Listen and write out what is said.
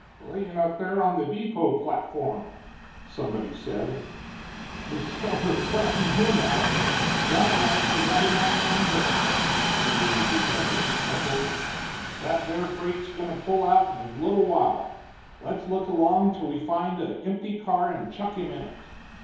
"Layin' up there on the depot platform," somebody said. "This feller flattened him out, done it like he had him on a anvil," the granger's advocate chuckled. "That there freight's goin' to pull out in a little while let's look along till we find a empty car and chuck him in it.